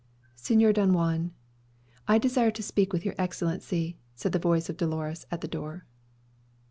"Señor Don Juan, I desire to speak with your Excellency," said the voice of Dolores at the door.